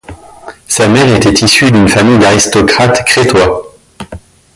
Sa mère était issue d’une famille d’aristocrates crétois.